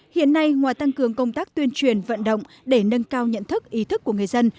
hiện nay ngoài tăng cường công tác tuyên truyền vận động để nâng cao nhận thức ý thức của người dân